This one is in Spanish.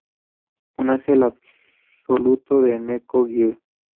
Un ángel absoluto de neko girl.